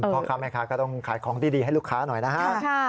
พ่อค้าแม่ค้าก็ต้องขายของดีให้ลูกค้าหน่อยนะฮะ